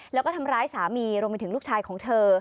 แล้วก็ทำร้ายสามีรวมไปถึงลูกชายของเธอ